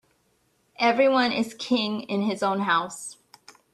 Every one is king in his own house.